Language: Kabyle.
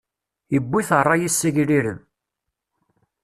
Iwwi-t ṛṛay-is s agrireb.